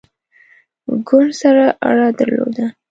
ګوند سره اړه درلوده.